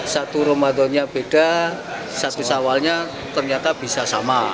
satu ramadannya beda satu sawalnya ternyata bisa sama